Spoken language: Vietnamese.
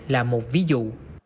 là một ví dụ